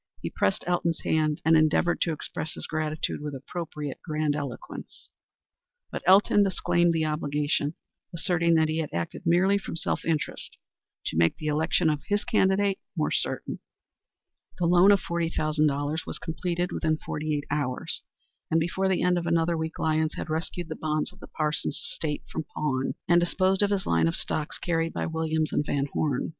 He pressed Elton's hand and endeavored to express his gratitude with appropriate grandiloquence. But Elton disclaimed the obligation, asserting that he had acted merely from self interest to make the election of his candidate more certain. The loan of $40,000 was completed within forty eight hours, and before the end of another week Lyons had rescued the bonds of the Parsons estate from pawn, and disposed of his line of stocks carried by Williams & Van Horne.